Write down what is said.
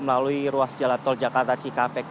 melalui ruas jalan tol jakarta cikampek